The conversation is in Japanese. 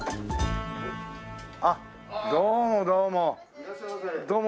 あっどうもどうも。